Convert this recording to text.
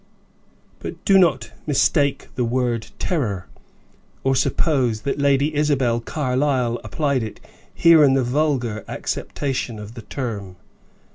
But do not mistake the word terror, or suppose that Lady Isabel Carlyle applied it here in the vulgar acceptation of the term.